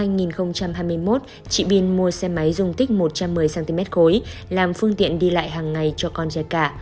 năm hai nghìn hai mươi một chị biên mua xe máy dung tích một trăm một mươi cm khối làm phương tiện đi lại hàng ngày cho con da cả